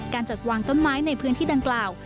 การจัดวางต้นไม้ในพื้นที่ดังกล่าว